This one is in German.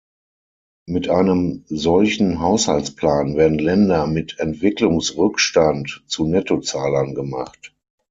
Mit einem solchen Haushaltsplan werden Länder mit Entwicklungsrückstand zu Nettozahlern gemacht.